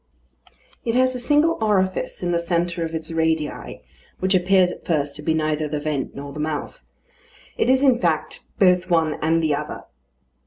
It has a single orifice in the centre of its radii, which appears at first to be neither the vent nor the mouth. It is, in fact, both one and the other.